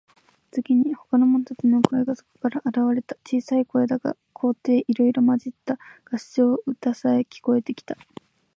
次に、ほかの者たちの顔もそこから現われた。小さい声でだが、高低いろいろまじった合唱の歌さえ、聞こえてきた。